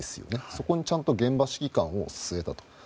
そこにちゃんと現場指揮官を据えたと。